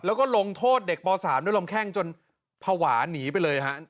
แล้วก็ลงโทษเด็กป๓ด้วยลมแข้งจนภาวะหนีไปเลยฮะ